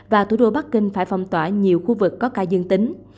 và thủ đô bắc kinh phải phong tỏa nhiều khu vực có ca dương tính